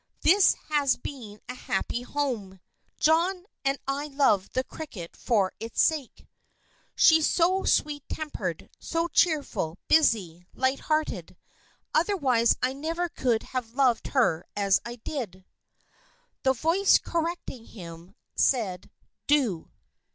"'This has been a happy home, John; and I love the cricket for its sake.'" "She's so sweet tempered, so cheerful, busy, light hearted. Otherwise I never could have loved her as I did." The voice, correcting him, said, "do."